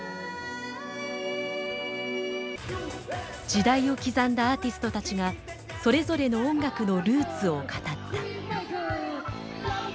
時代を刻んだアーティストたちがそれぞれの音楽のルーツを語った。